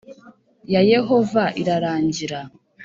Ya yehova irarangira